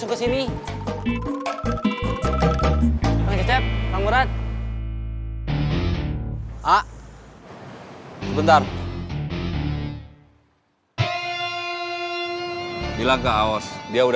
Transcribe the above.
foto foto dokumentasi udah banyak